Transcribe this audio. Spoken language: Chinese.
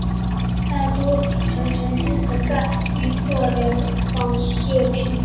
大多喜城曾经存在的一座连郭式平山城。